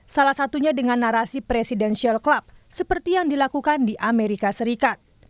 salah satunya dengan narasi presidential club seperti yang dilakukan di amerika serikat